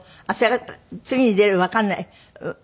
次に出るわかんないけど。